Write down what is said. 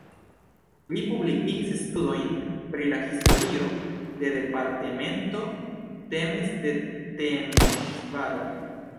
Li publikigis studojn pri la historio de departemento Temes de Temeŝvaro.